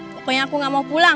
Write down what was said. pokoknya aku gak mau pulang